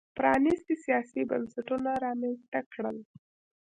پرانیستي سیاسي بنسټونه رامنځته کړل.